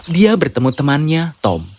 dia bertemu temannya tom